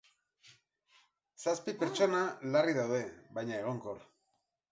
Zazpi pertsona larri daude, baina egonkor.